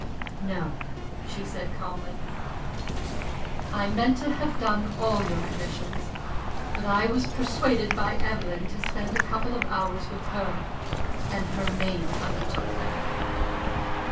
"No," she said, calmly. "I meant to have done all your commissions. But I was persuaded by Evelyn to spend a couple of hours with her, and her maid undertook them."